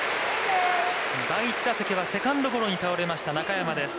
第１打席はセカンドゴロに倒れました中山です。